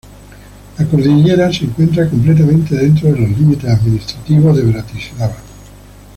La cordillera se encuentra completamente dentro de los límites administrativos de Bratislava.